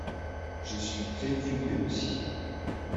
Je suis préoccupé aussi.